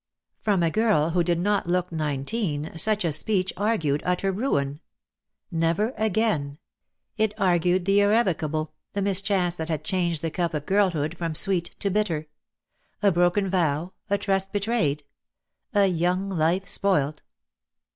From a girl who did not look nineteen such a speech argued utter ruin. Never again. It argued the irrevocable, the mischance that had changed the cup of girlhood from sweet to bitter. A broken vow, a trust betrayed, a young life spoilt.